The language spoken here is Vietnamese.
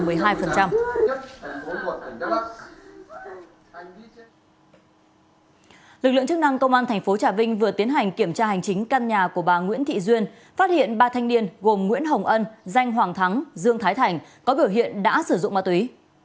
lực lượng chức năng công an thành phố trà vinh vừa tiến hành kiểm tra hành chính căn nhà của bà nguyễn thị duyên phát hiện ba thanh niên gồm nguyễn hồng ân danh hoàng thắng dương thái thành có biểu hiện đã sử dụng ma túy